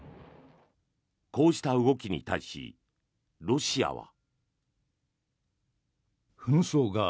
こうした動きに対しロシアは。